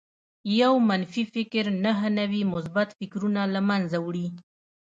يو منفي فکر نهه نوي مثبت فکرونه لمنځه وړي